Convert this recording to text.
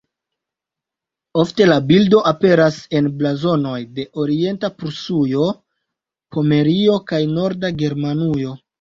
Ofte la bildo aperas en blazonoj de Orienta Prusujo, Pomerio kaj Norda Germanujo.